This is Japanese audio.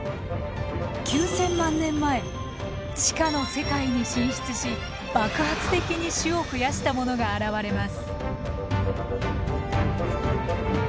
９，０００万年前地下の世界に進出し爆発的に種を増やしたものが現れます。